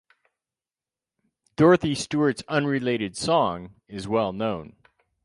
Dorothy Stewart's unrelated song is well known.